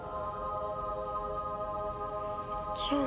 キューン。